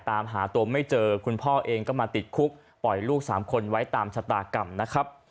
ตามหาตัวไม่เจอคุณพ่อเองก็มาติดคุกปล่อยลูก๓คนไว้ตามชะตากรรมนะครับ